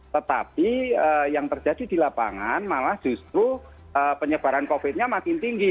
tetapi yang terjadi di lapangan malah justru penyebaran covid nya makin tinggi